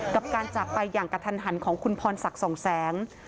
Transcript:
กับการจากไปอย่างกระทันหันของคุณพรศักดิ์สองแสง